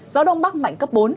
gió đông bắc mạnh cấp bốn